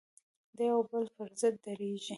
د یوه او بل پر ضد درېږي.